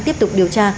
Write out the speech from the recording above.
tiếp tục điều tra